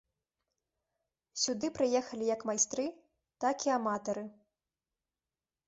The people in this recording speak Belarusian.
Сюды прыехалі як майстры, так і аматары.